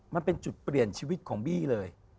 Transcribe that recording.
มันเป็นจุดเปลี่ยนชีวิตของบี้เลย